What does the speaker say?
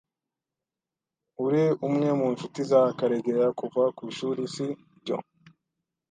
Uri umwe mu nshuti za Karegeya kuva ku ishuri, si byo?